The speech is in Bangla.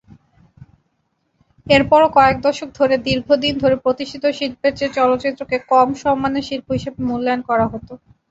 এরপরও কয়েক দশক ধরে দীর্ঘদিন ধরে প্রতিষ্ঠিত শিল্পের চেয়ে চলচ্চিত্রকে কম সম্মানের শিল্প হিসেবে মূল্যায়ন করা হত।